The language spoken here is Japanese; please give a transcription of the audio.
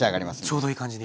ちょうどいい感じに。